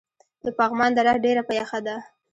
د پغمان دره ډیره یخه ده